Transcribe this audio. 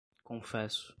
confesso